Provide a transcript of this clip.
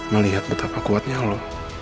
melihat betapa kuatnya lo